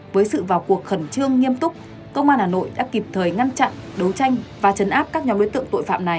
với sự vào cuộc khẩn trương nghiêm túc công an hà nội đã kịp thời ngăn chặn đấu tranh và chấn áp các nhóm đối tượng tội phạm này